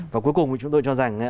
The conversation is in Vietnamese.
và cuối cùng chúng tôi cho rằng